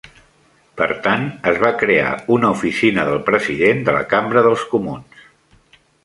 Per tant, es va crear una oficina del President de la Cambra dels Comuns.